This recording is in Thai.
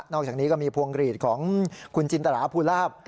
อกจากนี้ก็มีพวงกรีดของคุณจินตราภูลาภ